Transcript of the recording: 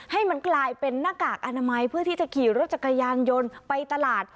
ให้มันกลายเป็นหน้ากากอนามัยเพื่อที่จะขี่รถจักรยานยนต์ไปตลาด